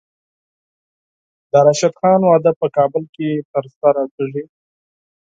د راشد خان واده په کابل کې ترسره کیږي.